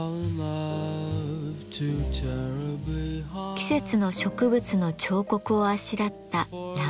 季節の植物の彫刻をあしらった欄間。